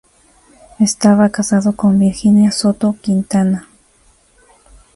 Estaba casado con Virginia Soto Quintana.